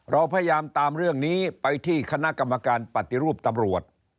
เราพยายามตามเรื่องนี้ไปที่คณะกรรมการปฏิรูปตำรวจ